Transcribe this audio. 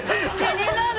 ◆気になる。